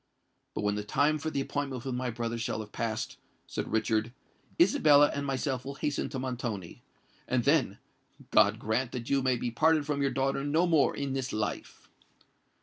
"But when the time for the appointment with my brother shall have passed," said Richard "Isabella and myself will hasten to Montoni; and then, God grant that you may be parted from your daughter no more in this life."